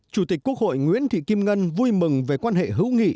chủ tịch quốc hội nguyễn thị kim ngân vui mừng về quan hệ hữu nghị